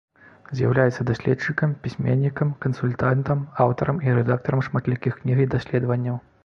З'яўляецца даследчыкам, пісьменнікам, кансультантам, аўтарам і рэдактарам шматлікіх кніг і даследаванняў.